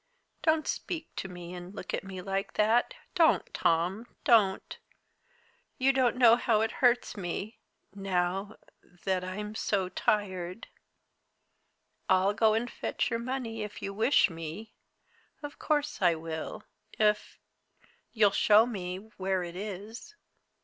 Don't speak to me and look at me like that, don't, Tom, don't! You don't know how it hurts me, now that I'm so tired. I'll go and fetch your money if you wish me of course I will, if you'll show me where it is.